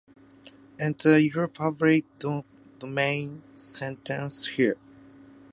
Enter your public domain sentence here